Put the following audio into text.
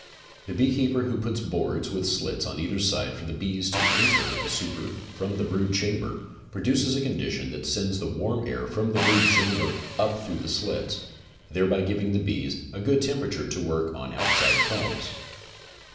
The beekeeper who puts boards, with slits on either side for the bees to enter the super from the brood chamber, produces a condition that sends the warm air from the brood chamber up through the slits; thereby giving the bees a good temperature to work on outside combs.